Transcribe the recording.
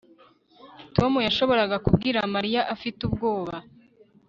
Tom yashoboraga kubwira Mariya afite ubwoba